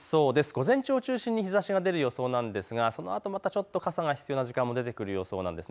午前中を中心に日ざしが出る予想なんですがその後、またちょっと傘が必要な時間も出てくる予想です。